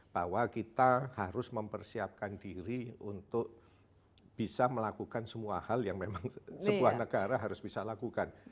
bahwa kita harus mempersiapkan diri untuk bisa melakukan semua hal yang memang sebuah negara harus bisa lakukan